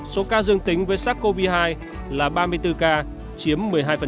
số ca dương tính với sắc covid hai là ba mươi bốn ca chiếm một mươi hai